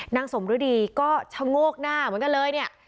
นางสมฤดีก็ชะโงกหน้าเหมือนกันเลยเนี่ย